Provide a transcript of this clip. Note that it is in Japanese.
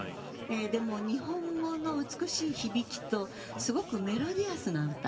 でも日本語の美しい響きとすごくメロディアスな歌。